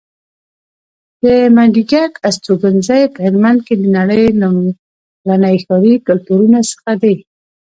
د منډیګک استوګنځی په هلمند کې د نړۍ لومړني ښاري کلتورونو څخه دی